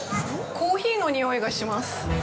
コーヒーの匂いがします。